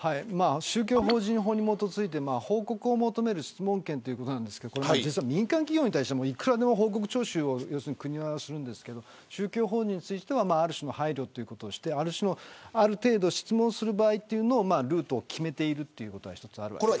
宗教法人法に基づいて報告を求める質問権ということなんですけど民間企業に対しては、いくらでも報告徴収を国はするんですけど宗教法人についてはある種の配慮としてある程度、質問する場合というものをルートを決めているということが一つ、あるわけです。